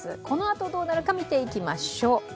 このあと、どうなるか見ていきましょう。